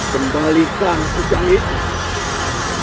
kembalikan tujang itu